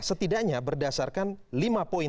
setidaknya berdasarkan lima poin